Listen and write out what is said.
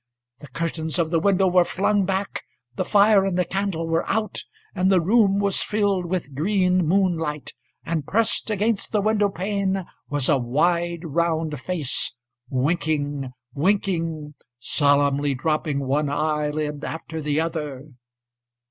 The curtains of the window were flung back, The fire and the candle were out, And the room was filled with green moonlight. And pressed against the window paneWas a wide, round face, Winking â winking âSolemnly dropping one eyelid after the other.